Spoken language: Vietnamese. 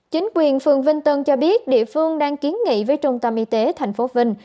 chính quyền phường vinh tân cho biết địa phương đang kiến nghị với trung tâm y tế tp vinh